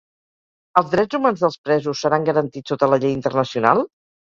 Els drets humans dels presos seran garantits sota la llei internacional?